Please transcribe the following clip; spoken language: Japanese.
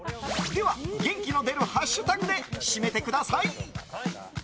では元気の出るハッシュタグで締めてください！